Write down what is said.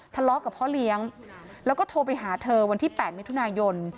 ทะเลาะกับพ่อเลี้ยงแล้วก็โทรไปหาเธอวันที่๘มิถุนายน